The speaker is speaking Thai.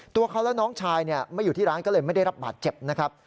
ตัวเขาและน้องชายไม่อยู่ที่ร้านก็เลยไม่ได้รับบาดเจ็บนะครับ